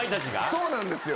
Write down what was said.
そうなんですよ。